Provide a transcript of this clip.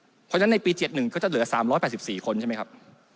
เพราะฉะนั้นในปี๗๑ก็จะเหลือ๓๘๔คนใช่ไหมครับ